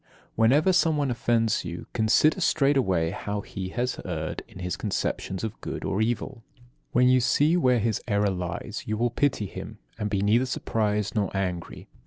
26. Whenever someone offends you, consider straightway how he has erred in his conceptions of good or evil. When you see where his error lies you will pity him, and be neither surprised nor angry.